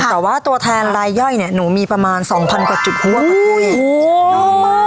แต่ว่าตัวแทนรายย่อยเนี่ยหนูมีประมาณสองพันกว่าจุดหัวค่ะปุ้ย